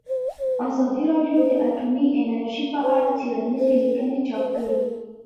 ازادي راډیو د اټومي انرژي په اړه څېړنیزې لیکنې چاپ کړي.